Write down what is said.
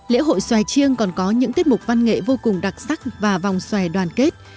lễ hội xoài chiêng còn có những tiết mục văn nghệ vô cùng đặc sắc và vòng xòe đoàn kết